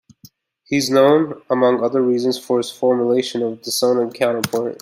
He is known, among other reasons, for his formulation of dissonant counterpoint.